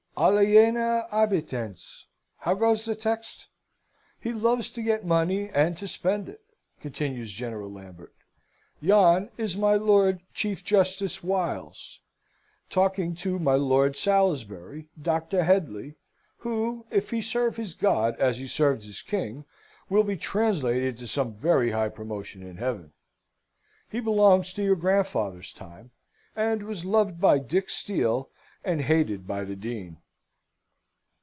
"Aliena appetens how goes the text? He loves to get money and to spend it," continues General Lambert. "Yon is my Lord Chief Justice Willes, talking to my Lord of Salisbury, Doctor Headley, who, if he serve his God as he serves his King, will be translated to some very high promotion in Heaven. He belongs to your grandfather's time, and was loved by Dick Steele and hated by the Dean.